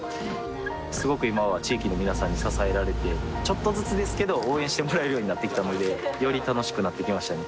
すごく今は地域の皆さんに支えられてちょっとずつですけど応援してもらえるようになってきたのでより楽しくなってきましたね